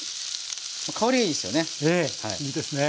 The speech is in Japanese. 香りがいいですよね。